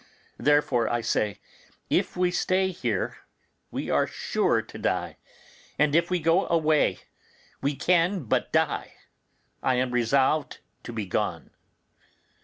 Therefore I say, if we stay here we are sure to die, and if we go away we can but die; I am resolved to be gone.